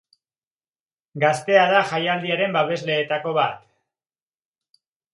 Gaztea da jaialdiaren babesleetako bat.